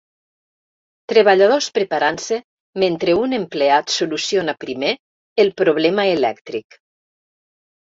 Treballadors preparant-se mentre un empleat soluciona primer el problema elèctric.